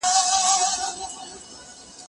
دا انځور له هغه ښکلی دی!.